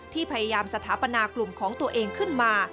พยายามสถาปนากลุ่มของตัวเองขึ้นมา